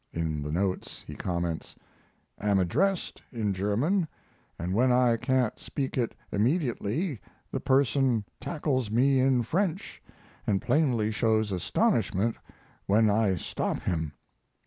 In the notes he comments: Am addressed in German, and when I can't speak it immediately the person tackles me in French, and plainly shows astonishment when I stop him.